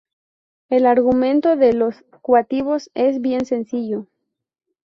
El argumento de "Los Cautivos" es bien sencillo.